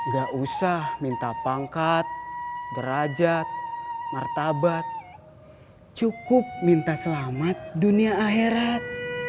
gak usah minta pangkat derajat martabat cukup minta selamat dunia akhirat